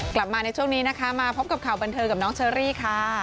กลับมาในช่วงนี้นะคะมาพบกับข่าวบันเทิงกับน้องเชอรี่ค่ะ